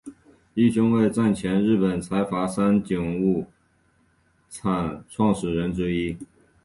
义兄为战前日本财阀三井物产创始人之一。